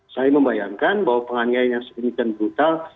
saya membayangkan bahwa penganiayaan yang sedemikian brutal